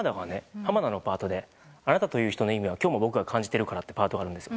濱田のパートで「あなたという人の意味は今日も僕が感じているから」というパートがあるんですよ。